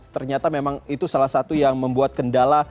ternyata memang itu salah satu yang membuat kendala